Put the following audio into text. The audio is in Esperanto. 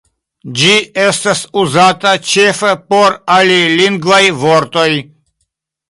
Ĝi estas uzata ĉefe por alilingvaj vortoj.